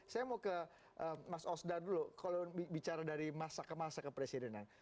saya mau ke mas osdar dulu kalau bicara dari masa ke masa ke presidenan